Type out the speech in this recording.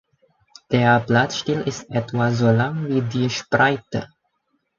Der Blattstiel ist etwa so lang wie die Spreite.